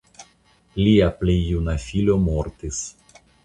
Lia plej juna filo mortis.